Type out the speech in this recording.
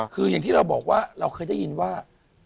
คืออย่างที่เราบอกว่าเราเคยได้ยินว่า